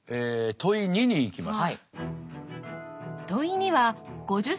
問２に行きます。